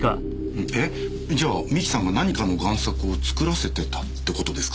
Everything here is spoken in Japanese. じゃあ三木さんが何かの贋作を作らせてたってことですか？